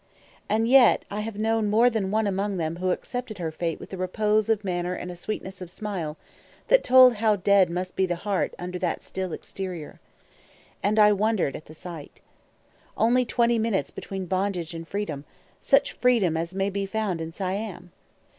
And yet have I known more than one among them who accepted her fate with a repose of manner and a sweetness of smile that told how dead must be the heart under that still exterior. And I wondered at the sight. Only twenty minutes between bondage and freedom, such freedom as may be found in Siam!